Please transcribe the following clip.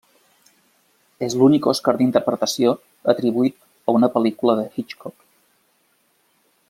És l'únic Oscar d'interpretació atribuït a una pel·lícula de Hitchcock.